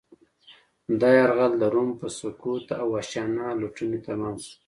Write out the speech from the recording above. دا یرغل د روم په سقوط او وحشیانه لوټنې تمام شو